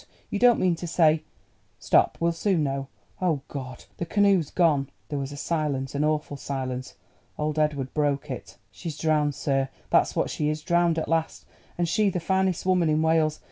You don't mean to say——Stop; we'll soon know. Oh, Goad! the canoe's gone!" There was a silence, an awful silence. Old Edward broke it. "She's drowned, sir—that's what she is—drowned at last; and she the finest woman in Wales.